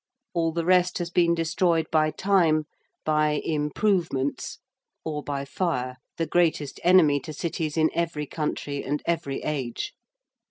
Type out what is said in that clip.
All the rest has been destroyed by time, by 'improvements,' or by fire, the greatest enemy to cities in every country and every age.